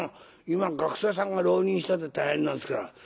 今学生さんが浪人したって大変なんですから。